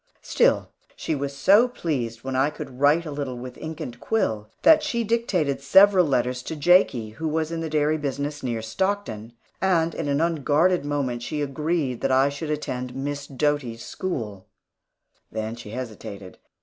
Still, she was so pleased when I could write a little with ink and quill, that she dictated several letters to Jakie, who was in the dairy business near Stockton; and in an unguarded moment she agreed that I should attend Miss Doty's school. Then she hesitated.